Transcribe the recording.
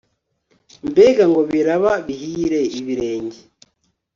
mbega ngo biraba bihire, ibirenge